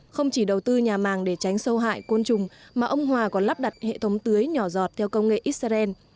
không chỉ đầu tư nhà màng để tránh sâu hại côn trùng mà ông hòa còn lắp đặt hệ thống tưới nhỏ giọt theo công nghệ israel